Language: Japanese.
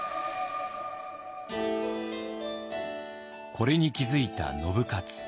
これに気付いた信雄。